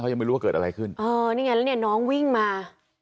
ยังไม่รู้ว่าเกิดอะไรขึ้นเออนี่ไงแล้วเนี่ยน้องวิ่งมา